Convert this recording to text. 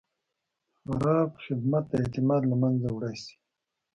خراب خدمت د اعتماد له منځه وړی شي.